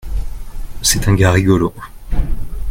C’est un gars rigolo.